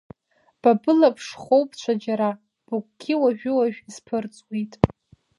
Ба былаԥш хоуп ҽаџьара, быгәгьы уажәы-уажә исԥырҵуеит…